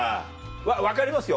分かりますよ